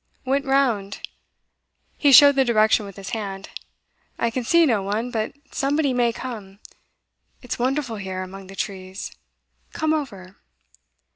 'Went round.' He showed the direction with his hand. 'I can see no one, but somebody may come. It's wonderful here, among the trees. Come over.